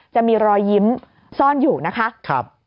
จะมีรอยยิ้มซ่อนอยู่นะคะ